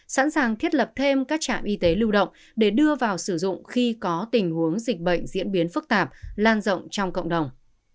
sẵn sàng thiết lập thêm các trạm y tế lưu động để đưa vào sử dụng khi có tình huống dịch bệnh diễn biến phức tạp lan rộng trong cộng đồng